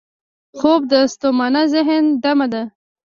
خوب د ستومانه ذهن دمه ده